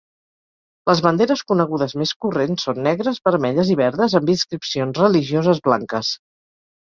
Les banderes conegudes més corrents són negres, vermelles i verdes amb inscripcions religioses blanques.